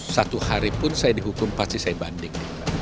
satu hari pun saya dihukum pasti saya banding